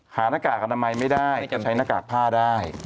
หน้ากากอนามัยไม่ได้จะใช้หน้ากากผ้าได้